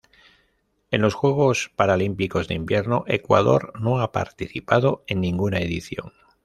En los Juegos Paralímpicos de Invierno Ecuador no ha participado en ninguna edición.